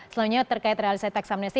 selanjutnya terkait realisasi teksamnesi